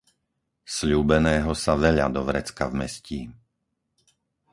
Sľúbeného sa veľa do vrecka vmestí.